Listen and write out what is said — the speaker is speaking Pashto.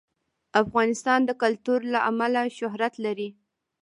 افغانستان د کلتور له امله شهرت لري.